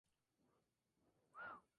Su director general fue Álex Cruz.